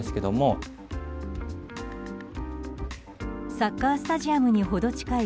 サッカースタジアムに程近い